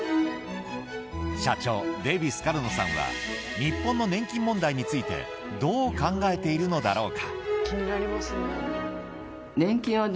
社長デヴィ・スカルノさんは日本の年金問題についてどう考えているのだろうか。